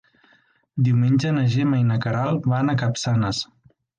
Diumenge na Gemma i na Queralt van a Capçanes.